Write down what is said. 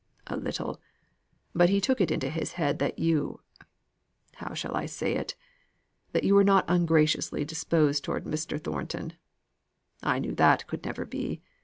"A little; but he took it into his head that you how shall I say it? that you were not ungraciously disposed towards Mr. Thornton. I knew that could never be.